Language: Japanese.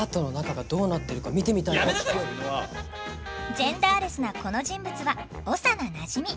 ジェンダーレスなこの人物は長名なじみ。